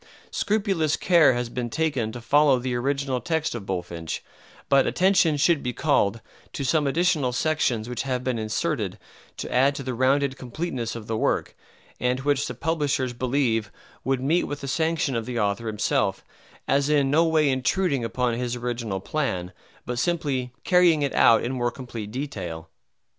Scrupulous care has been taken to follow the original text of Bulfinch, but attention should be called to some additional sections which have been inserted to add to the rounded completeness of the work, and which the publishers believe would meet with the sanction of the author himself, as in no way intruding upon his original plan but simply carrying it out in more complete detail.